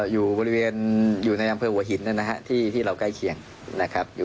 อยู่ก็บริเวณอยู่ในอามเภอหัวหินเนี่ยนะครับ